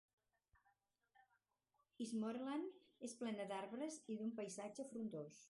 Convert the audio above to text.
Eastmoreland és plena d'arbres i d'un paisatge frondós.